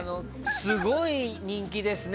すごい人気ですね。